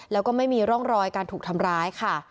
แล้วก็ไม่มีร่องรอยการถูกทำร้ายค่ะ